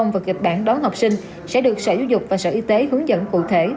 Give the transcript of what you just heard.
và kịch bản đón học sinh sẽ được sở giáo dục và sở y tế hướng dẫn cụ thể